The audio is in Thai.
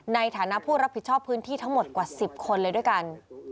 ในฐานะผู้รับผิดชอบพื้นที่ทั้งหมดกว่า๑๐คนเลยด้วยกัน